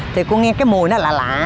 thì cô nghe cái mùi nó lạ lạ